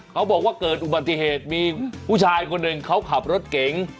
เขาบอกว่าเกิดอุบัติเหตุมีผู้ชายคนหนึ่งเขาขับรถเก๋ง